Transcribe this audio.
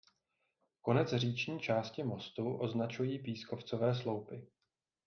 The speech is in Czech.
Konec říční části mostu označují pískovcové sloupy.